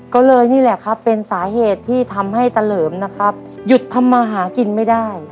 ก็เลยนี่แหละครับเป็นสาเหตุที่ทำให้ตะเหลิมนะครับหยุดทำมาหากินไม่ได้